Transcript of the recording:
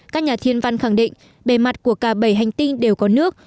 các nhà thiên văn khẳng định bề mặt của cả bảy hành tinh đều có nước